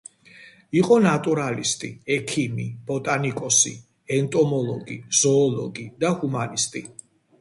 იყო ნატურალისტი, ექიმი, ბოტანიკოსი, ენტომოლოგი, ზოოლოგი და ჰუმანისტი.